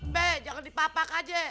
be jangan di papak aja